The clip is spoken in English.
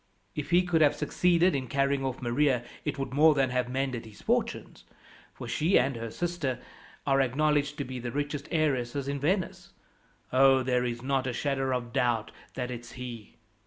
If he could have succeeded in carrying off Maria it would more than have mended his fortunes, for she and her sister are acknowledged to be the richest heiresses in Venice. Oh, there is not a shadow of doubt that it's he.